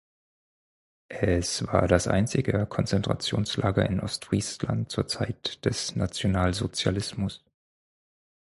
Es war das einzige Konzentrationslager in Ostfriesland zur Zeit des Nationalsozialismus.